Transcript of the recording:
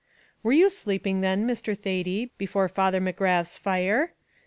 "Were you sleeping, then, Mr. Thady, before Father McGrath's fire?